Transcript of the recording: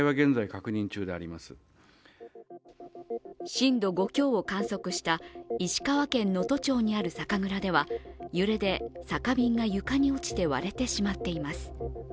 震度５強を観測した石川県能登町にある酒蔵では揺れで酒瓶が床に落ちて割れてしまっています。